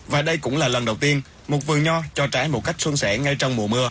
và đây cũng là lần đầu tiên một vườn nho cho trái một cách xuân sẻ ngay trong mùa mưa